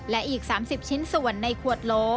และอีก๓๐ชิ้นส่วนในขวดโล